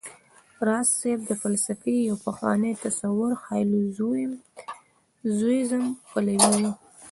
راز صيب د فلسفې د يو پخواني تصور هايلو زوييزم پلوی و